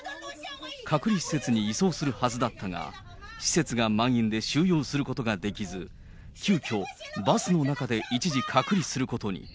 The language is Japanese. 隔離施設に移送するはずだったが、施設が満員で収容することができず、急きょ、バスの中で一時隔離することに。